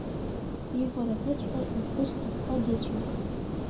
Ивараҿыҵәҟьа иԥҳәыс дҭахәхәа дыцәоуп.